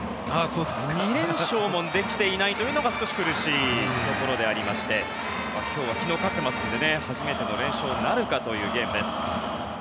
２連勝もできていないというのが少し苦しいところでありまして今日は昨日、勝っていますので初めての連勝になるかというゲームです。